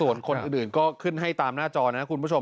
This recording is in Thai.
ส่วนคนอื่นก็ขึ้นให้ตามหน้าจอนะคุณผู้ชม